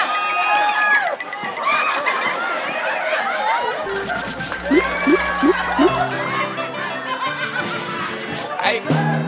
เห็นไหม